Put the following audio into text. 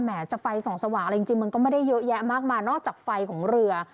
จะไฟส่องสว่างอะไรจริงมันก็ไม่ได้เยอะแยะมากมายนอกจากไฟของเรือ